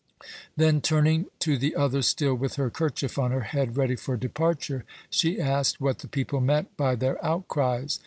Then turning to the others still with her kerchief on her head ready for departure she asked what the people meant by their outcries.